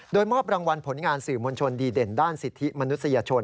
โดยมอบรางวัลผลงานสื่อมวลชนดีเด่นด้านสิทธิมนุษยชน